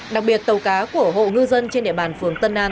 đặc biệt tàu cá của hộ ngư dân trên địa bàn phường tân an